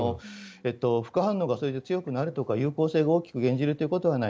副反応がそれで強くなるとか有効性が大きく減じるということはない。